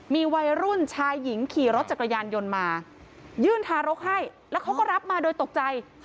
มีวัยรุ่นชายหญิงขี่รถจักรยานยนต์มายื่นทารกให้แล้วเขาก็รับมาโดยตกใจ